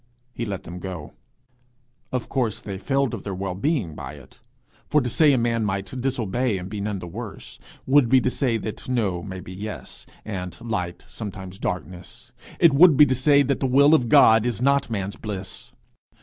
He let them go. Of course they failed of their well being by it; for to say a man might disobey and be none the worse, would be to say that no may be yes, and light sometimes darkness; it would be to say that the will of God is not man's bliss.